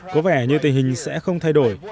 có vẻ như tình hình sẽ không thay đổi